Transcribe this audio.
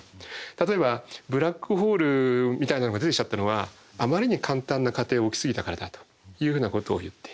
例えばブラックホールみたいなのが出てきちゃったのはあまりに簡単な仮定を置きすぎたからだというふうなことを言って。